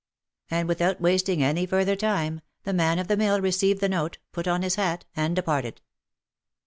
And without wasting any further time, the man of the mill received the note, put on his hat, and departed.